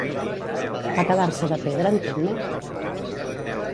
Va quedar-se de pedra en Temme?